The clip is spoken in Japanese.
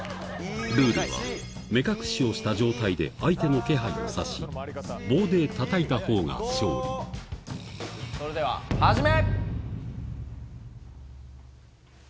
ルールは、目隠しをした状態で、相手の気配を察し、棒でたたそれでは、始め。